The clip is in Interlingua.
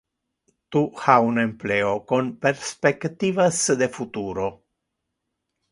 Tu ha un empleo con perspectivas de futuro.